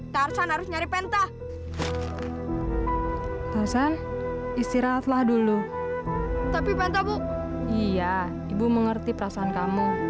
tarzan harus nyari penta